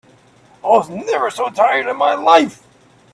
I was never so tired in my life.